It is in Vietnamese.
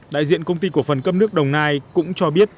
đại diện công ty cổ phần cấp nước đồng nai cũng cho biết